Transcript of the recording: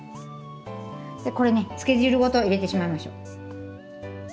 これねつけ汁ごと入れてしまいましょう。